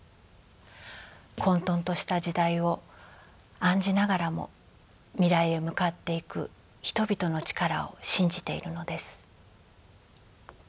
混とんとした時代を案じながらも未来へ向かっていく人々の力を信じているのです。